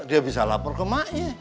dia bisa lapor ke mai